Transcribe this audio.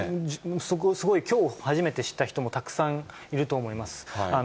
そこ、きょう初めて知った人もたくさんいると思います。